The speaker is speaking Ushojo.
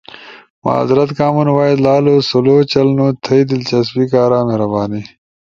معذرت، کامن وائس لالو سلو چلنو، تھئی دلچسپی کارا مہربانی۔